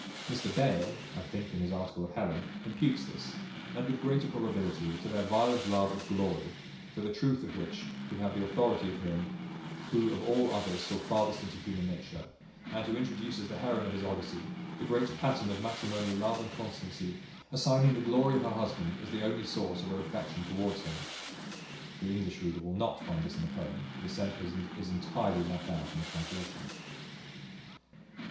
Mr Bayle (I think, in his article of Helen) imputes this, and with greater probability, to their violent love of glory; for the truth of which, we have the authority of him who of all others saw farthest into human nature, and who introduces the heroine of his Odyssey, the great pattern of matrimonial love and constancy, assigning the glory of her husband as the only source of her affection towards him.[*] [*] The English reader will not find this in the poem; for the sentiment is entirely left out in the translation.